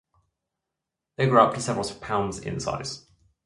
They grow up to several pounds in size.